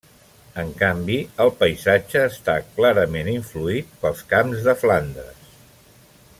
En canvi, el paisatge està clarament influït pels camps de Flandes.